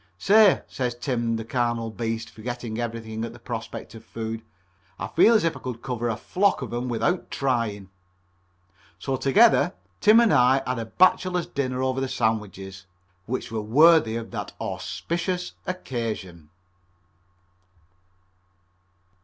"Say," says Tim, the carnal beast, forgetting everything at the prospect of food, "I feel as if I could cover a flock of them without trying." So together Tim and I had a bachelor's dinner over the sandwiches, which were worthy of that auspicious occasion.